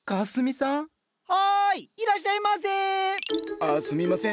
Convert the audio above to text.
あっすみません